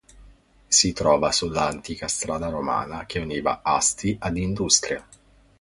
Si trova sulla antica strada Romana che univa Asti ad Industria.